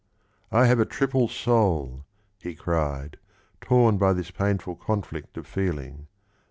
'' I have a triple soul !" he cried, torn by this painful conflict of feeling.